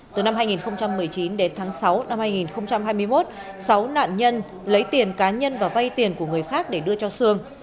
từ năm hai nghìn một mươi chín đến tháng sáu năm hai nghìn hai mươi một sáu nạn nhân lấy tiền cá nhân và vay tiền của người khác để đưa cho sương